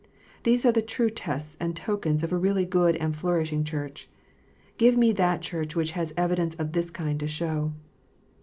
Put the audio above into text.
These are the true tests and tokens of a really good and flourishing Church. Give me that Church which has evidence of this kind to show.